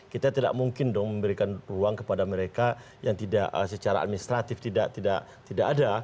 kita tidak mungkin dong memberikan ruang kepada mereka yang tidak secara administratif tidak ada